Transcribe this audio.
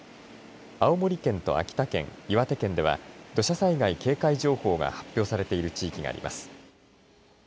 青森県と秋田県、岩手県では土砂災害警戒情報が発表されている地域があります。